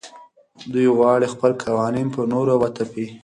دوی غواړي خپل قوانین پر نورو وتپي.